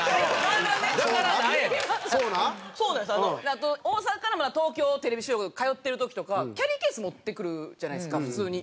あと大阪から東京テレビ収録通ってる時とかキャリーケース持ってくるじゃないですか普通に。